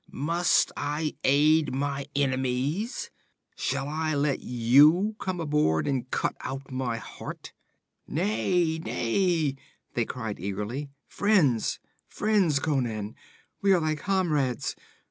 Must I aid my enemies? Shall I let you come aboard and cut out my heart?' 'Nay, nay!' they cried eagerly. 'Friends friends, Conan. We are thy comrades!